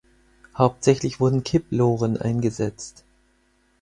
Hauptsächlich wurden Kipploren eingesetzt.